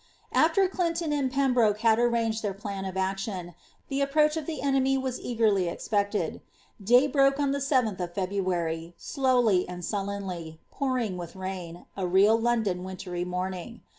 After Clinton and Pembroke had arranged their plan of action, the approach of the enemy was eagerly expected. Day broke on the 7th of Februar}', slowly and sullenly, pouring with rain, a real London wintry Dioniing.